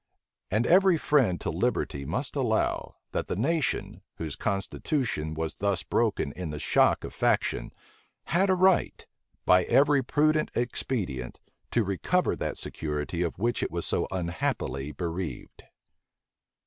And every friend to liberty must allow, that the nation, whose constitution was thus broken in the shock of faction, had a right, by every prudent expedient, to recover that security of which it was so unhappily bereaved.